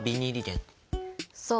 そう。